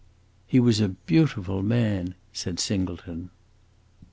"He was a beautiful man!" said Singleton.